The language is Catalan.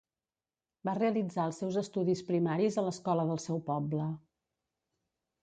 Va realitzar els seus estudis primaris a l'escola del seu poble.